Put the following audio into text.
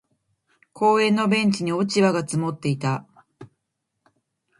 公園のベンチに落ち葉が積もっていた。